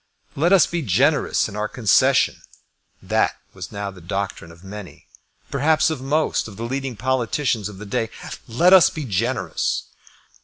Let us be generous in our concession. That was now the doctrine of many, perhaps of most of the leading politicians of the day. Let us be generous.